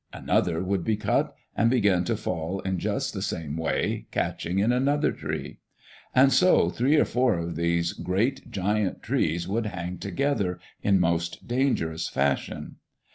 Another would be cut, and begin to fall in just the same way, catching in another tree. And so three or four of these great giant trees would hang together, in most dangerous fashion.